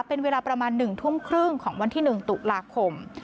เป็นเวลาประมาณหนึ่งทุ่มครึ่งของวันที่หนึ่งตุลากสม